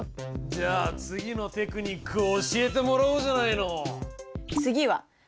じゃあ次のテクニックを教えてもらおうじゃないの。